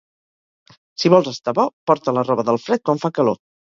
Si vols estar bo, porta la roba del fred quan fa calor.